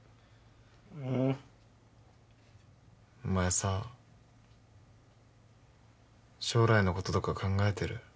お前さ将来のこととか考えてる？